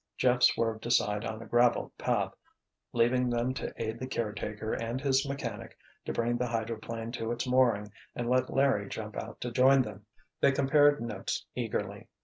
Jeff swerved aside on a graveled path, leaving them to aid the caretaker and his mechanic to bring the hydroplane to its mooring and let Larry jump out to join them. They compared notes eagerly.